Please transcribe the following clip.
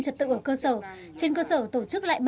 trật tự ở cơ sở trên cơ sở tổ chức lại